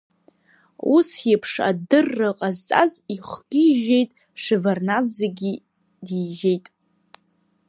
Ус еиԥш адырра ҟазҵаз ихгьы ижьеит, Шеварднаӡегьы дижьеит!